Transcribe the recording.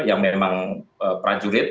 yang memang prajurit